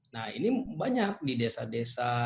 nah ini banyak di desa desa